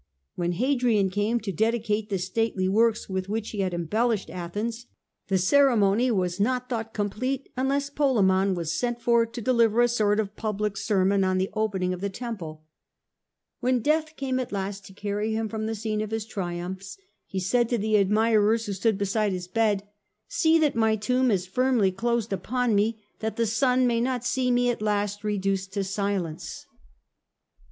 When Hadrian came to dedicate the stately works with which he had embellished Athens, the ceremony was not thought complete unless Polemon was sent for to deliver a sort of public sermon on the opening CH. VIII. The Lttcraiy Currents of the Age. 185 of the temple. When death came at last to carry him from the scene of all his triumphs, he said to the admirers who stood beside hifj bed, ' See that my tomb is firmly closed upon me, that the sun may not see me at last reduced to silence.